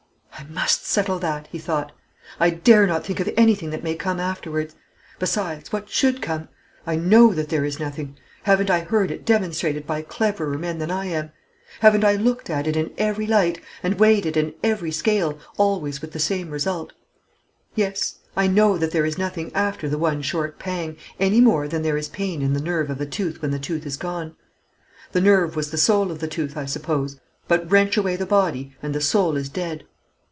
"I must settle that," he thought. "I dare not think of anything that may come afterwards. Besides, what should come? I know that there is nothing. Haven't I heard it demonstrated by cleverer men than I am? Haven't I looked at it in every light, and weighed it in every scale always with the same result? Yes; I know that there is nothing after the one short pang, any more than there is pain in the nerve of a tooth when the tooth is gone. The nerve was the soul of the tooth, I suppose; but wrench away the body, and the soul is dead.